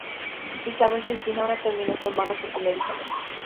Isabel Cristina ahora terminó su embarazo con medicamentos.